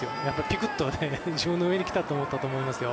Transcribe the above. ピクッと自分の上に来たと思ったと思いますよ。